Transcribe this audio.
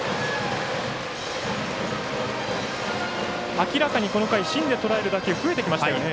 明らかに、この回芯でとらえる打球増えてきましたよね。